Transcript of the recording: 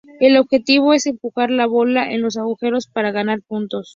El objetivo es empujar las bolas en los agujeros para ganar puntos.